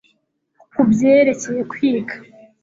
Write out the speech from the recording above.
ku byerekeye kwiga